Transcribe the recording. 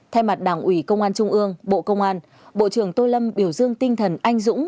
thay mặt đảng ủy công an trung ương bộ công an bộ trưởng tô lâm biểu dương tinh thần anh dũng